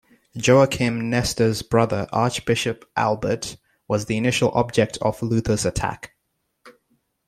Joachim Nestor's brother, Archbishop Albert, was the initial object of Luther's attack.